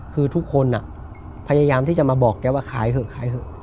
คือทุกคนพยายามที่จะมาบอกแกว่าขายเถอะขายเถอะ